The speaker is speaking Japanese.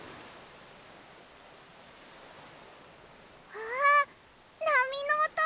ああなみのおと！